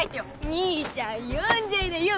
兄ちゃん呼んじゃいなよ。